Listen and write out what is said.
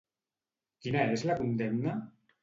Quina és la condemna?